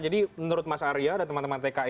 jadi menurut mas arya dan teman teman teman teman